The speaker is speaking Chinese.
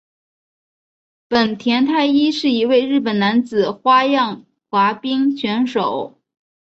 本田太一是一位日本男子花样滑冰选手。